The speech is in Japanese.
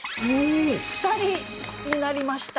２人になりました。